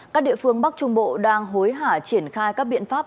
các địa phương bắc trung bộ đang hối hả triển khai các biện pháp